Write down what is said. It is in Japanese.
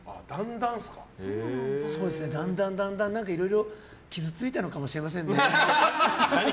だんだん、いろいろ傷ついたのかもしれませんね。